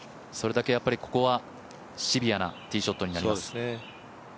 それだけここはシビアなティーショットになります。